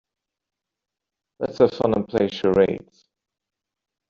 Let's have fun and play charades.